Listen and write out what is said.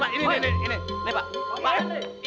pak ini pak ini